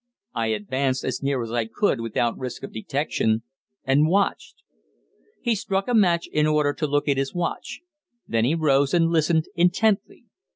I advanced as near as I could without risk of detection, and watched. He struck a match in order to look at his watch. Then he rose and listened intently.